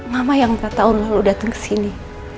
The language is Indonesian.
mama yang empat tahun lalu dateng kesini